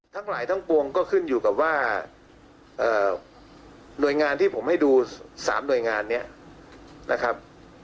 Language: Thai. ทั้งหลายทั้งปวงก็ขึ้นอยู่กับว่าหน่วยงานที่ผมให้ดู๓หน่วยงานนี้นะครับ